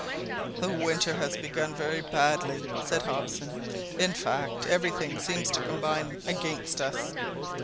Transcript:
"The winter has begun very badly," said Hobson, "in fact everything seems to combine against us.